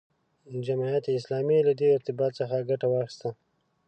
جماعت اسلامي له دې ارتباط څخه ګټه واخیسته.